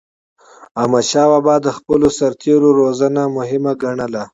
احمدشاه بابا د خپلو سرتېرو روزنه مهمه ګڼله.